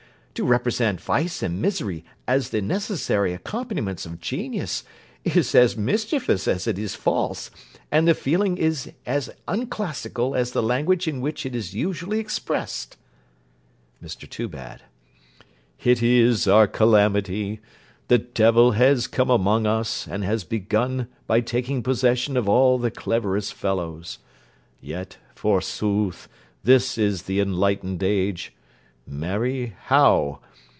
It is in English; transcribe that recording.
To represent vice and misery as the necessary accompaniments of genius, is as mischievous as it is false, and the feeling is as unclassical as the language in which it is usually expressed. MR TOOBAD It is our calamity. The devil has come among us, and has begun by taking possession of all the cleverest fellows. Yet, forsooth, this is the enlightened age. Marry, how?